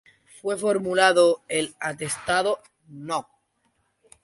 Fue formulado el Atestado No.